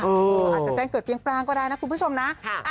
อาจจะเจ็ดเกิดเพียงปลางก็ได้นะคุณผู้ชมนะ